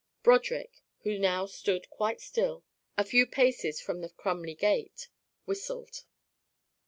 Broderick, who now stood quite still, a few paces from the Crumley gate, whistled.